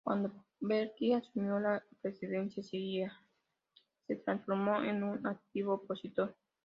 Cuando Derqui asumió la presidencia, Seguí se transformó en un activo opositor.